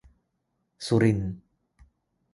สุรินทร์